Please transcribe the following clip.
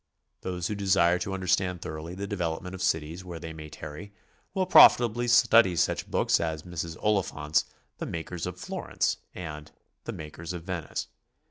Those who desire to understand thoroughly the development of cities where they may tarry, will pro'fit ably study such boo ks as Mrs. Oliphant's "The Makers of Florence" and "The Makers of Venice."